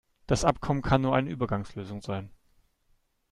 Das Abkommen kann nur eine Übergangslösung sein.